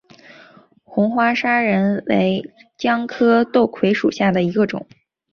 红花砂仁为姜科豆蔻属下的一个种。